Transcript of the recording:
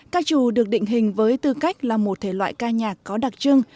ca trù được định hình với tư cách là một thể loại ca nhạc có đặc trưng